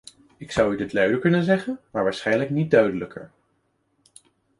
Ik zou u dit luider kunnen zeggen, maar waarschijnlijk niet duidelijker.